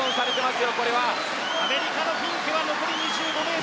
アメリカのフィンケは残り２５ｍ。